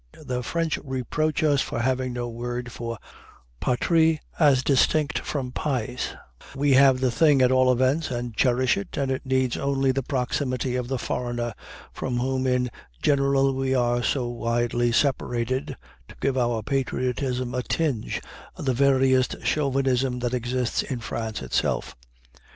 The French reproach us for having no word for "patrie" as distinct from "pays"; we have the thing at all events, and cherish it, and it needs only the proximity of the foreigner, from whom in general we are so widely separated, to give our patriotism a tinge of the veriest chauvinism that exists in France itself.